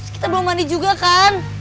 kita belum mandi juga kan